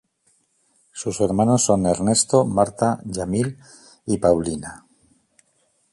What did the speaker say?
Sus hermanos son Ernesto, Martha, Yamil y Paulina.